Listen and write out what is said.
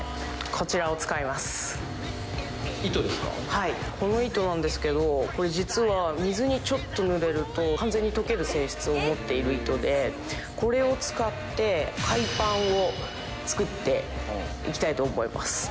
はいこの糸なんですけどこれ実は水にちょっと濡れると完全に溶ける性質を持っている糸でこれを使って海パンを作っていきたいと思います